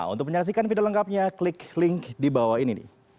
untuk menyaksikan video lengkapnya klik link di bawah ini